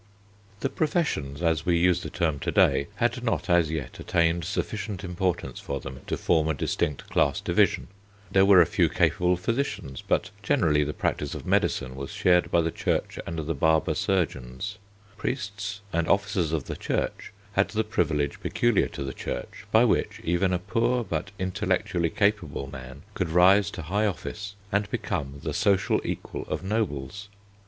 The professions, as we use the term to day, had not as yet attained sufficient importance for them to form a distinct class division. There were a few capable physicians, but generally the practice of medicine was shared by the Church and the barber surgeons. Priests and officers of the Church had the privilege peculiar to the Church by which even a poor but intellectually capable man could rise to high office and become the social equal of nobles.